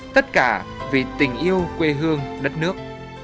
tất cả vì tình yêu quê hương đất nước